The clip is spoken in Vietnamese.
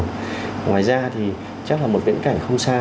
ngoài ra thì chắc là một viễn cảnh không xa